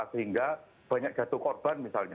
sehingga banyak jatuh korban misalnya